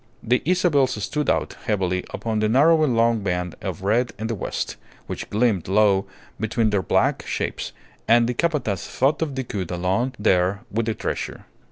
The Isabels stood out heavily upon the narrowing long band of red in the west, which gleamed low between their black shapes, and the Capataz thought of Decoud alone there with the treasure.